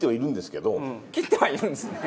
切ってはいるんですね。